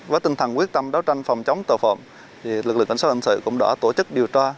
với tinh thần quyết tâm đấu tranh phòng chống tội phạm lực lượng cảnh sát hình sự cũng đã tổ chức điều tra